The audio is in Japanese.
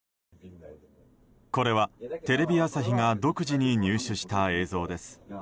これはテレビ朝日が独自に入手した映像です。